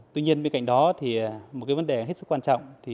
tuy nhiên bên cạnh đó một vấn đề rất quan trọng